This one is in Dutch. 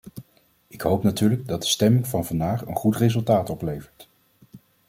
Ik hoop natuurlijk dat de stemming van vandaag een goed resultaat oplevert.